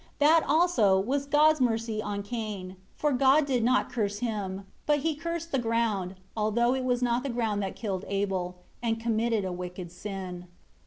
That also, was God's mercy on Cain. For God did not curse him, but He cursed the ground; although it was not the ground that had killed Abel, and committed a wicked sin.